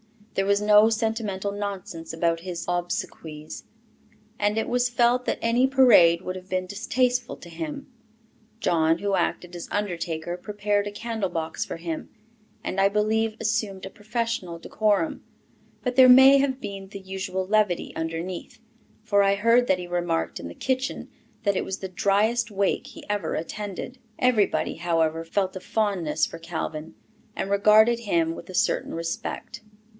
There was no sentimental nonsense about his obsequies; it was felt that any parade would have been distasteful to him. John, who acted as undertaker, prepared a candle box for him, and I believe assumed a professional decorum; but there may have been the usual levity underneath, for I heard that he remarked in the kitchen that it was the "dryest wake he ever attended." Everybody, however, felt a fondness for Calvin, and regarded him with a certain respect.